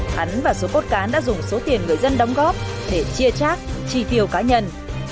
hắn và số cốt cán đã dùng số tiền người dân đóng góp để chia trác chi tiêu cá nhân